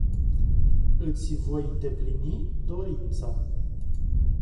Iti voi indeplini dorinta.